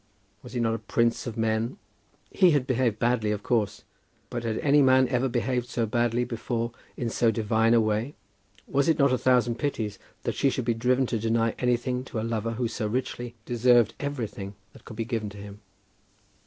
Was he not a prince of men? He had behaved badly, of course; but had any man ever behaved so badly before in so divine a way? Was it not a thousand pities that she should be driven to deny anything to a lover who so richly deserved everything that could be given to him?